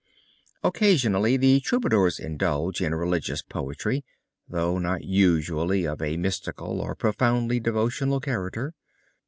Occasionally the Troubadours indulge in religious poetry though usually not of a mystical or profoundly devotional character.